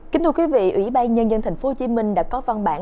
kính thưa quý vị ủy ban nhân dân tp hcm đã có văn bản